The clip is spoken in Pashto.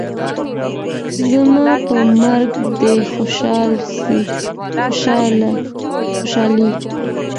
زما په مرګ دي خوشالي